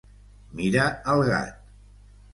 Mira el gat!